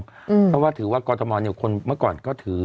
เพราะว่าถือว่ากรทมเนี่ยคนเมื่อก่อนก็ถือ